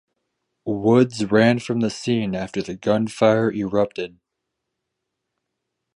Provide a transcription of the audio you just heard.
Woods ran from the scene after the gunfire erupted.